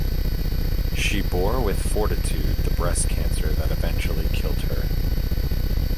She bore with fortitude the breast cancer that eventually killed her.